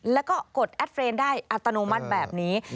แล้วก็กดแอดเฟรนด์ได้อัตโนมัติแบบนี้